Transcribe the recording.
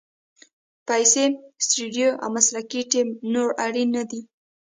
پیسې، سټوډیو او مسلکي ټیم نور اړین نه دي.